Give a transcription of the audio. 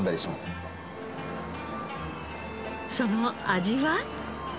その味は？